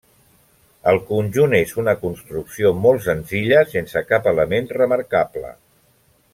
El conjunt és una construcció molt senzilla sense cap element remarcable.